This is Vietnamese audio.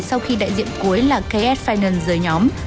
sau khi đại diện cuối là ks finanz dưới nhóm